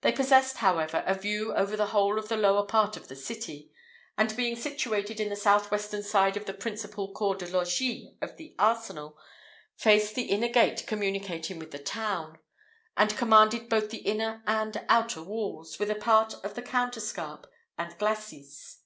They possessed, however, a view over the whole of the lower part of the city; and being situated in the south western side of the principal corps de logis of the arsenal, faced the inner gate communicating with the town, and commanded both the inner and outer walls, with a part of the counterscarp and glacis.